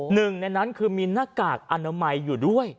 หนึ่งในนั้นคือมีหน้ากากอนามัยอยู่ด้วย